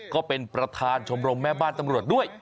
ก็เป็นประธานชมรมแม่บ้านตำรวจด้วย